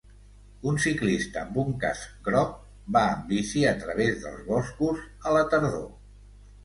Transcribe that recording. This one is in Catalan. Un ciclista amb un casc grog va en bici a través dels boscos a la tardor.